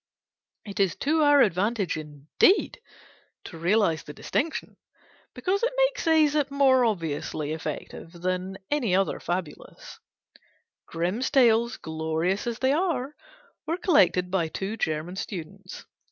It is to our advantage, indeed, to realise the distinction; because it makes Æsop more obviously effective than any other fabulist. Grimm's Tales, glorious as they are, were collected by two German students.